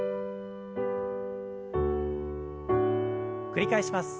繰り返します。